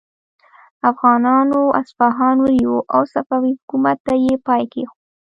افغانانو اصفهان ونیو او صفوي حکومت ته یې پای کیښود.